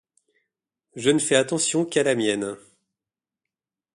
Je ne fais attention qu'à la mienne.